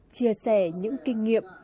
chia sẻ những kinh nghiệm